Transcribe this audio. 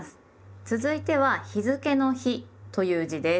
続いては日付の「日」という字です。